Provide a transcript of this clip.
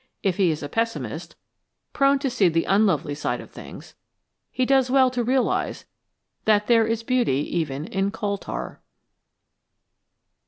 If he is a pessimist, prone to see the unlovely side of things, he does well to realise that there is beauty even in coal tar.